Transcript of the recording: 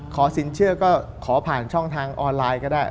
สินเชื่อก็ขอผ่านช่องทางออนไลน์ก็ได้